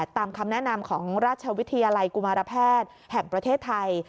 ตามคำแนะนำของราชวิทยาลัยกุมารแพทย์แห่งประเทศไทย